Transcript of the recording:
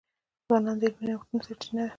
ځوانان د علمي نوښتونو سرچینه ده.